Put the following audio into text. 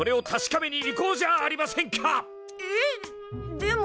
でも。